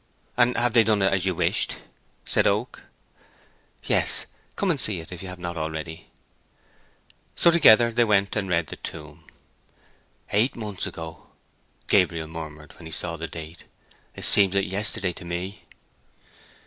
"And have they done it as you wished?" said Oak. "Yes. Come and see it, if you have not already." So together they went and read the tomb. "Eight months ago!" Gabriel murmured when he saw the date. "It seems like yesterday to me."